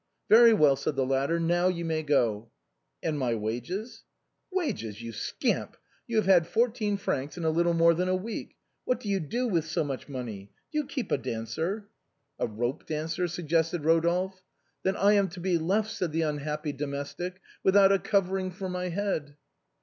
" Very well," said the latter ;" now you may go." " And my wages ?"" Wages ? you scamp ! You have had fourteen francs in little more than a week. What do you do with so much money ? Do you keep a dancer ?"" A rope dancer ?" suggested Rodolphe. " Then am I to be left," said the unhappy domestic, " without a covering for my head